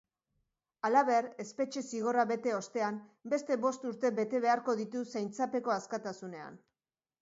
Halaber, espetxe zigorra bete ostean beste bost urte beharko ditu zaintzapeko askatasunean.